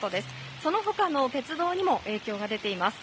その他の鉄道にも影響が出ています。